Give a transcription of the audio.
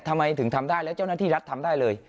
ทำไมถึงทำได้แล้วเจ้าหน้าที่รัฐทำได้เลย